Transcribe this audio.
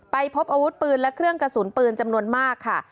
พบอาวุธปืนและเครื่องกระสุนปืนจำนวนมากค่ะ